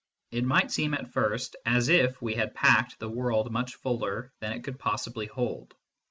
It might seem at first sight as if we had packed the world much fuller than it could possibly hold.